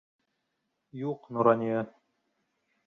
Юҡ Нурания!